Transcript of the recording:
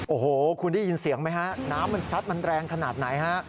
โอ้โหคุณได้ยินเสียงไหมฮะน้ำมันซัดมันแรงขนาดไหนฮะ